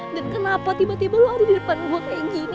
dan kenapa tiba tiba lo ada didepan gue kayak gini